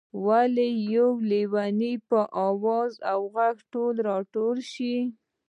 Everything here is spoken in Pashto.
ولې د یو لېوني په آواز او غږ ټول راټول شوئ.